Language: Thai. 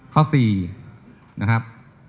ข้อ๔นะครับ